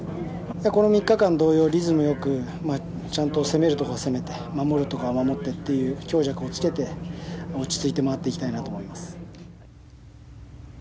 この３日間同様、リズム良く攻めるところは攻めて守るところは守ってという強弱をつけて落ち着いて回っていきたいと思います。